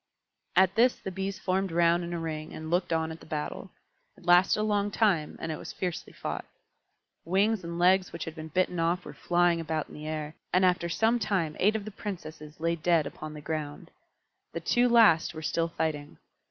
At this the Bees formed round in a ring and looked on at the battle. It lasted a long time, and it was fiercely fought. Wings and legs which had been bitten off were flying about in the air, and after some time eight of the Princesses lay dead upon the ground. The two last were still fighting.